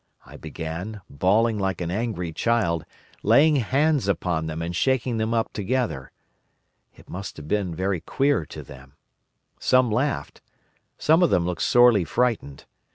I began, bawling like an angry child, laying hands upon them and shaking them up together. It must have been very queer to them. Some laughed, most of them looked sorely frightened.